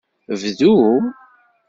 Bdu!